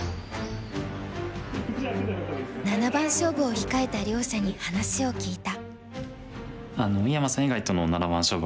七番勝負を控えた両者に話を聞いた。